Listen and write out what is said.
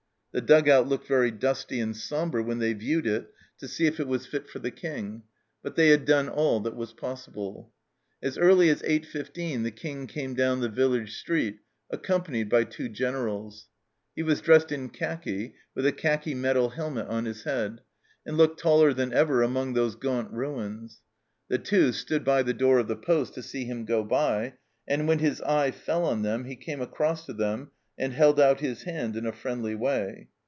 The dug out looked very dusty and sombre when they viewed it to see if it was fit ENTER ROMANCE 263 for the King, but they had done all that was possible. As early as 8.15 the King came down the village street accompanied by two Generals ; he was dressed in khaki, with a khaki metal helmet on his head, and looked taller than ever among those gaunt ruins. The Two stood by the door of the postc to see him go by, and when his eye fell on them he came across to them and held out his hand in a friendly way.